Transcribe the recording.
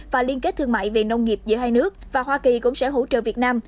và liên kết thương mại về nông nghiệp giữa hai nước và hoa kỳ cũng sẽ hỗ trợ việt nam